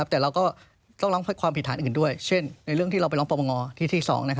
แต่เราก็ต้องร้องความผิดฐานอื่นด้วยเช่นในเรื่องที่เราไปร้องปรปงที่ที่๒